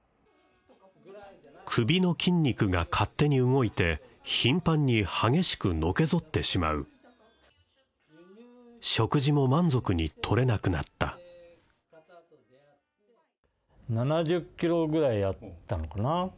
首の筋肉が勝手に動いて頻繁に激しくのけ反ってしまう食事も満足に取れなくなった７０キロぐらいあったのかな